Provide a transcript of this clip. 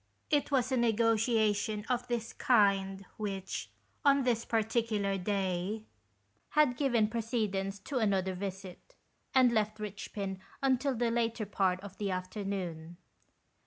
It was a negotiation of this kind which, on this particular day, had given precedence to another visit, and left Eichpin until the later part of the afternoon.